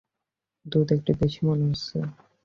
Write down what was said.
দুধ একটু বেশি মনে হচ্ছে।